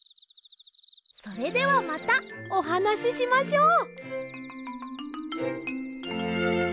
それではまたおはなししましょう。